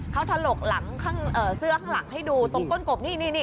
เขาถลกเสื้อข้างหลังให้ดูตรงก้นกบนี่นี่นี่